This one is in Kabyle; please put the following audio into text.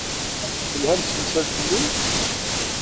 Telham-d s temsalt-nni.